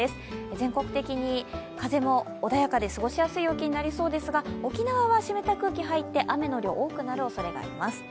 全国的に風も穏やかで過ごしやすい陽気になりそうですが沖縄は湿った空気が入り込んで雨の量、多くなるおそれがあります